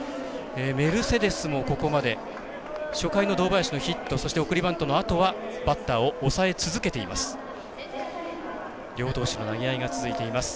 メルセデスもここまで初回の堂林のヒットそして送りバントのあとはバッターを抑え続けています。